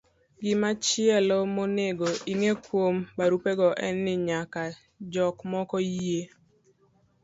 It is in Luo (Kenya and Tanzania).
Gimachielo monego ing'e kuom barupego en ni nyaka jok moko yie